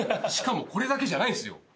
しかもこれだけじゃないんすよ。